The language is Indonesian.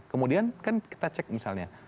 kemudian kan kita cek misalnya